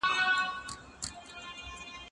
که غږ نږدې شي، وېره به ورکه شي.